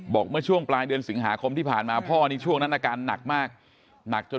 บอกเมื่อช่วงปลายเดือนสิงหาคมที่ผ่านมาพ่อนี่ช่วงนั้นอาการหนักมากหนักจน